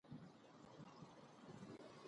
آیا د ایران ادبیات ډیر بډایه نه دي؟